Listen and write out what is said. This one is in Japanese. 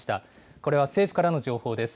これは政府からの情報です。